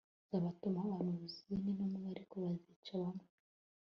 nzabatumaho abahanuzi n intumwa ariko bazica bamwe